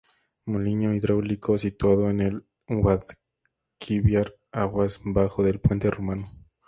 Molino hidráulico situado en el Guadalquivir aguas abajo del Puente Romano.